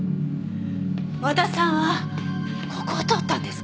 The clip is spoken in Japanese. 和田さんはここを通ったんですか？